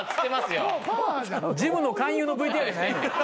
ジムの勧誘のＶＴＲやないねん。